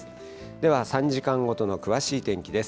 では３時間ごとの詳しい天気です。